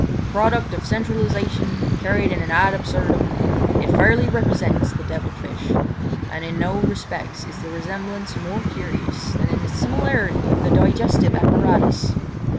Product of centralisation carried to an ad absurdum, it fairly represents the devil fish; and in no respects is the resemblance more curious than in the similarity of the digestive apparatus.